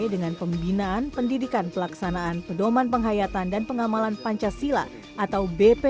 dengan pembinaan pendidikan pelaksanaan pendoman penghayatan dan pengamalan pancasila atau bp tujuh